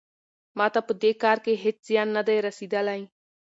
ما ته په دې کار کې هیڅ زیان نه دی رسیدلی.